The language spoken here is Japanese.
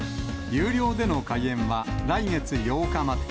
有料での開園は来月８日まで。